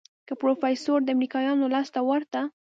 که پروفيسر د امريکايانو لاس ته ورته.